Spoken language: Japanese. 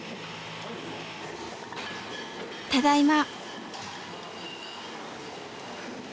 「ただいま」。